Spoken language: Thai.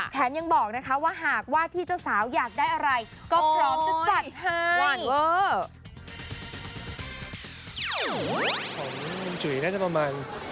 ยังบอกนะคะว่าหากว่าที่เจ้าสาวอยากได้อะไรก็พร้อมจะจัดให้